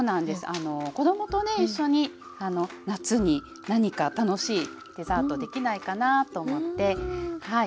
あの子どもとね一緒に夏に何か楽しいデザートできないかなと思ってはい。